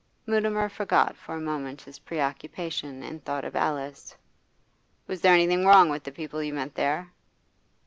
Mutimer forgot for a moment his preoccupation in thought of Alice. 'Was there anything wrong with the people you met there?